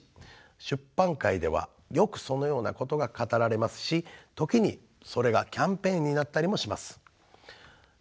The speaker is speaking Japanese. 出版界ではよくそのようなことが語られますし時にそれがキャンペーンになったりもします。